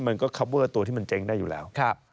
มันก็เก็บตัวที่มันเจ๊งก์ได้อยู่แล้ว